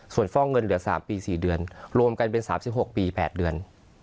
ส่วนฟอกเงินเหลือ๓ปี๔เดือนรวมกันเป็น๓๖ปี๘เดือน